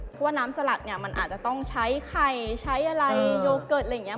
เพราะว่าน้ำสลัดเนี่ยมันอาจจะต้องใช้ไข่ใช้อะไรโยเกิร์ตอะไรอย่างนี้